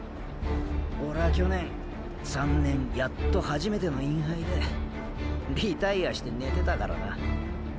オレは去年３年やっと初めてのインハイでリタイアしてねてたからな。